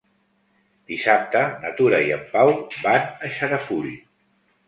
Dissabte na Tura i en Pau van a Xarafull.